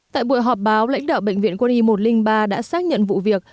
tại buổi họp báo lãnh đạo bệnh viện quân y một trăm linh ba đã xác nhận vụ việc